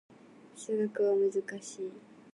数学は難しい